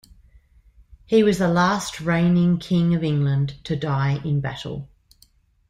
He was the last reigning King of England to die in battle.